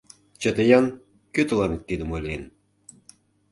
Чыте-ян, кӧ тыланет тидым ойлен?